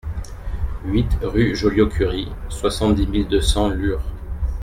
huit rue Juliot-Curie, soixante-dix mille deux cents Lure